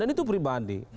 dan itu pribadi